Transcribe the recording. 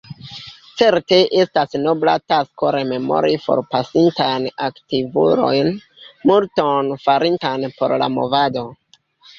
Certe, estas nobla tasko rememori forpasintajn aktivulojn, multon farintajn por la movado.